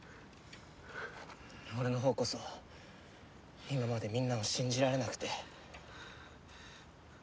俺のほうこそ今までみんなを信じられなくてごめん。